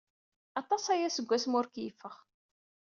Aṭas aya seg wasmi ur keyyfeɣ.